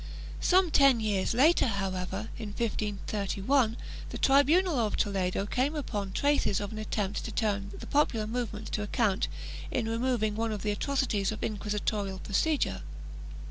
Some ten years later, however, in 1531, the tribunal of Toledo came upon traces of an attempt to turn the popular movement to account in removing one of the atrocities of inquisitorial procedure.